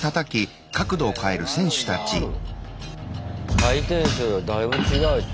回転数がだいぶ違うでしょ。